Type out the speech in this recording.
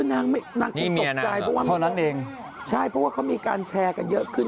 นางคงตกใจเพราะว่ามีนักเลงใช่เพราะว่าเขามีการแชร์กันเยอะขึ้น